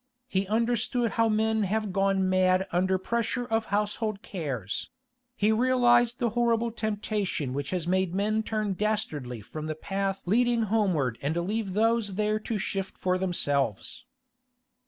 He understood how men have gone mad under pressure of household cares; he realised the horrible temptation which has made men turn dastardly from the path leading homeward and leave those there to shift for themselves.